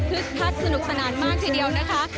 คักสนุกสนานมากทีเดียวนะคะ